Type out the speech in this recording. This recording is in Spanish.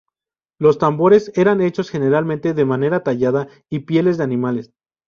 Los tambores eran hechos generalmente de madera tallada y pieles de animales.